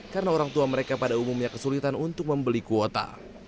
karena orang tua mereka pada umumnya kesulitan untuk membeli kuota